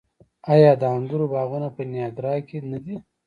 آیا د انګورو باغونه په نیاګرا کې نه دي؟